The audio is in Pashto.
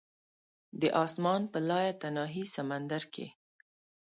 د اسمان په لایتناهي سمندر کې